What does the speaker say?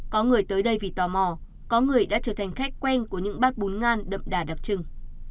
có người tới đây vì tò mò có người đã trở thành khách quen của những bát bún ngan đậm đà đặc trưng